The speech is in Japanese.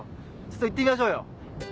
ちょっと行ってみましょうよ。